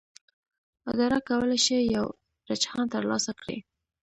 اداره کولی شي یو رجحان ترلاسه کړي.